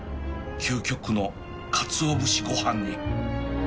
究極のかつお節ご飯に